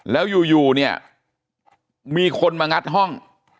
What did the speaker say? แล้วอยู่เนี่ยมีคนมางัดห้อง